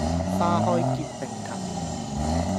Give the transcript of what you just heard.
花開結並頭